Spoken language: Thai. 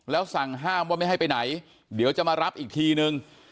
แล้วสั่งห้ามว่าไม่ให้ไปไหนเดี๋ยวจะมารับอีกทีนึง